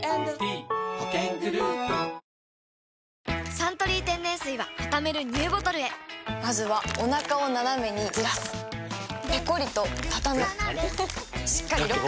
「サントリー天然水」はたためるＮＥＷボトルへまずはおなかをナナメにずらすペコリ！とたたむしっかりロック！